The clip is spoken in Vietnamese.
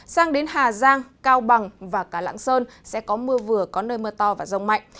sang đến hà giang cao bằng và cả lãng sơn sẽ có mưa vừa có nơi mưa to và rông mạnh